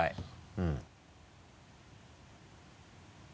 うん。